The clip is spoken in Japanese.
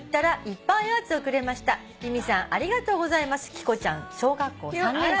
きこちゃん小学校３年生。